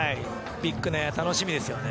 ビッグなエア、楽しみですよね。